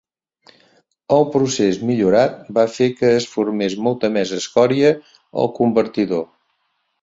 El procés millorat va fer que es formés molta més escòria al convertidor.